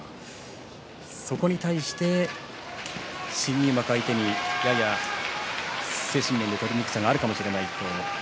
そこに対して新入幕を相手にやや精神面で取りにくさがあるかもしれませんが北勝